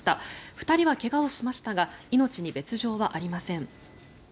２人は怪我をしましたが命に別条はありません。